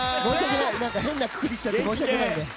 変なくくりしちゃって申し訳ない。